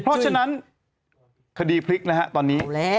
เพราะฉะนั้นคดีพลิกนะฮะตอนนี้